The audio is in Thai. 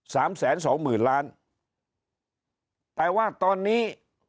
สามแสนสองหมื่นล้านแต่ว่าตอนนี้